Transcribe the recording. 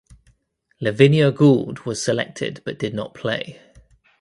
Lavinia Gould was selected but did not play.